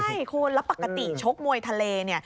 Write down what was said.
ใช่คุณแล้วปกติชกมวยทะเลเนี่ย